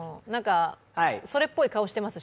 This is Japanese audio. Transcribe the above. それっぽい顔してます、